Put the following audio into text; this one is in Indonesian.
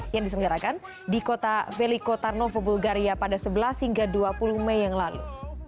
yang diselenggarakan di kota velico tarnovo bulgaria pada sebelas hingga dua puluh mei yang lalu